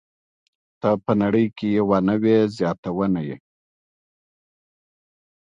ته په نړۍ کې یوه نوې زياتونه يې.